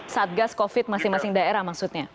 saat gas covid masing masing daerah maksudnya